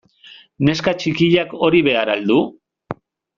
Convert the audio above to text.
Neska txikiak hori behar al du?